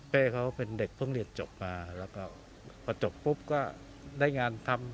เขาเป็นเด็กเพิ่งเรียนจบมาแล้วก็พอจบปุ๊บก็ได้งานทำ